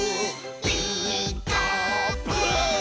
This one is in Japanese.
「ピーカーブ！」